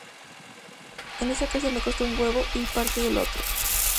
Esta casa me costó un huevo y parte del otro